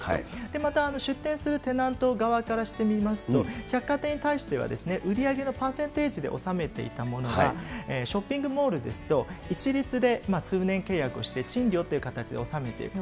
また出店するテナント側からしてみますと、百貨店に対しては、売り上げのパーセンテージで納めていたものが、ショッピングモールですと、一律で数年契約をして、賃料という形で納めていくと。